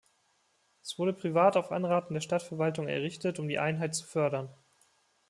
Es wurde privat auf Anraten der Stadtverwaltung errichtet um die Einheit zu fördern.